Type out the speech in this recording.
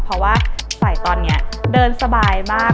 เพราะว่าสายตอนนี้เดินสบายมาก